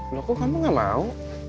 loh kok kamu gak mau